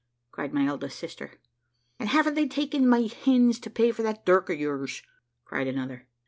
cried my eldest sister. `And haven't they taken my hens to pay for that dirk of yours?' cried another.